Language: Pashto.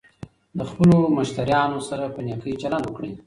د خپلو مشتریانو سره په نېکۍ چلند وکړئ.